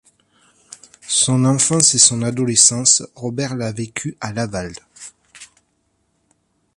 Son enfance et son adolescence Robert l’a vécu à Laval.